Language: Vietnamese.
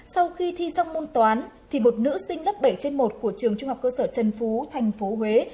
sau khi thi xong môn toán thì một nữ sinh lớp bảy trên một của trường trung học cơ sở trần phú tp huế